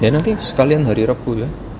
ya nanti sekalian hari rebu ya